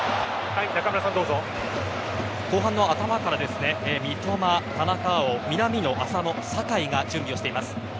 後半の頭から三笘、田中碧、南野、浅野酒井が準備をしています。